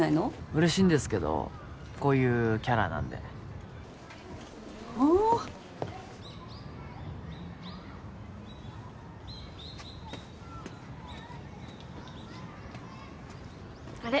嬉しいんですけどこういうキャラなんではあっあれ？